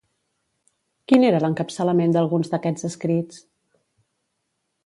Quin era l'encapçalament d'alguns d'aquests escrits?